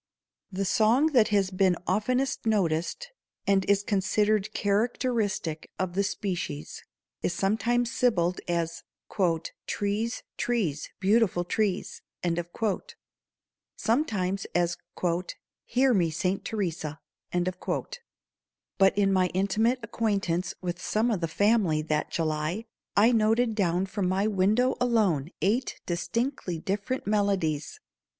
The song that has been oftenest noticed, and is considered characteristic of the species, is sometimes syllabled as "trees, trees, beautiful trees," sometimes as "hear me Saint Theresa." But in my intimate acquaintance with some of the family that July I noted down from my window alone eight distinctly different melodies.